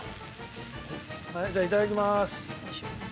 じゃあいただきます。